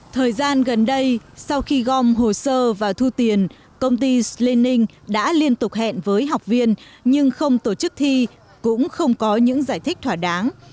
thời gian gần đây sau khi gom hồ sơ và thu tiền công ty slening đã liên tục hẹn với học viên nhưng không tổ chức thi cũng không có những giải thích thỏa đáng